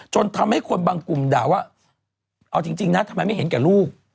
จนทำให้คนบางกลุ่มด่าว่าเอาจริงนะทำไมไม่เห็นแก่ลูก